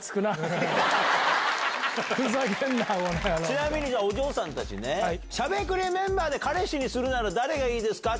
ちなみにお嬢さんたちにしゃべくりメンバーで彼氏にするなら誰がいいですか？